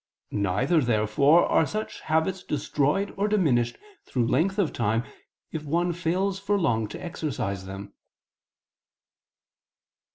Neither, therefore, are such habits destroyed or diminished through length of time, if one fails for long to exercise them.